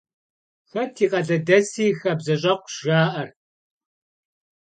«Хэт и къалэдэси хабзэщӏэкъущ» жаӏэр.